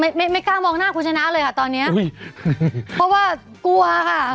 ไม่ไม่กล้ามองหน้าคุณชนะเลยค่ะตอนเนี้ยอุ้ยเพราะว่ากลัวค่ะ